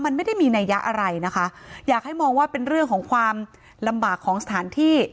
มันไม่ได้มีนัยยะอะไรนะคะอยากให้มองว่าเป็นเรื่องของความลำบากของสถานที่